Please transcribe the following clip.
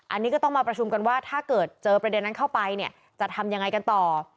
อันนี้ก็ต้องมาประชุมกันว่าถ้าเกิดเจอประเด็นนั้นเข้าไปเนี่ยจะทำยังไงกันต่อ